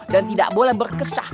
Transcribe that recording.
dan tidak boleh berkata kata